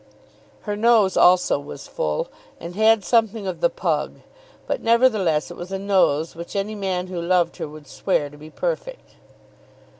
Her nose also was full, and had something of the pug. But nevertheless it was a nose which any man who loved her would swear to be perfect.